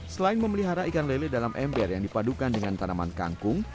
selain memelihara ikan lele dalam ember yang dipadukan dengan tanaman kangkung